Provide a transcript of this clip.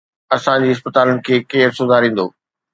اسان جي اسپتالن کي ڪير سڌاريندو؟